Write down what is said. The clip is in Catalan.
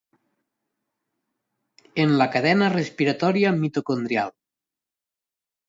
En la cadena respiratòria mitocondrial.